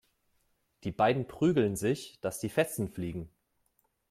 Die beiden prügeln sich, dass die Fetzen fliegen.